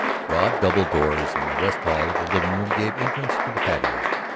Broad double doors in the west wall of the living room gave entrance to the patio.